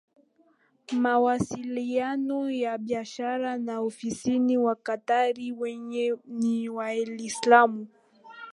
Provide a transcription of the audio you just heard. mawasiliano ya biashara na ofisini Waqatari wenyewe ni Waislamu